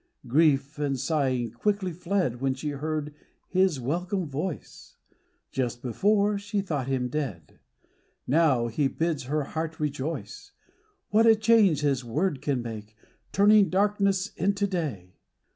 Grief and sighing quickly fled When she heard His welcome voice ; Just before she thought Him dead : Now He bids her heart rejoice. What a change His word can make, Turning darkness into day